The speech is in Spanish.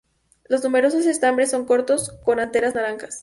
Los numerosos estambres son cortos, con anteras naranjas.